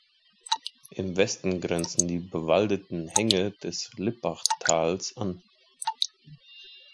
Im Westen grenzen die bewaldeten Hänge des Lippachtals an.